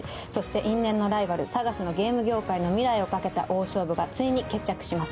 そして因縁のライバル、ＳＡＧＡＳのゲーム業界の未来をかけた大勝負がついに決着します。